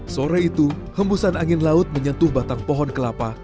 sore itu hembusan angin laut menyentuh batang pohon kelapa